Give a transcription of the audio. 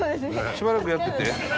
しばらくやってて。